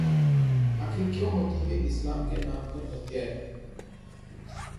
आखिर क्यों होती हैं इस्लाम के नाम पर हत्याएं?